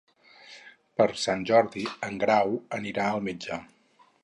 Per Sant Jordi en Grau anirà al metge.